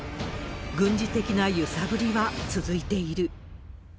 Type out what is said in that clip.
軍事的な揺さぶりは続いている。